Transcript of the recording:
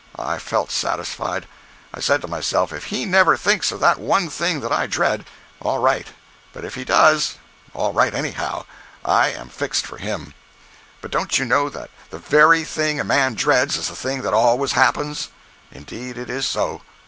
I felt satisfied. I said to myself, if he never thinks of that one thing that I dread, all right—but if he does, all right anyhow—I am fixed for him. But don't you know that the very thing a man dreads is the thing that always happens? Indeed it is so.